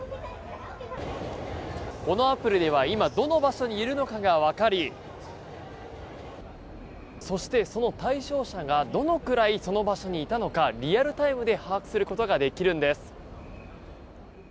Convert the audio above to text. このアプリでは今どの場所にいるのかがわかりそしてその対象者がどのぐらいその場所にいたのかリアルタイムで把握することができるんです。